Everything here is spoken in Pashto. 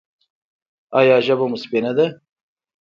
ایا ژبه مو سپینه ده؟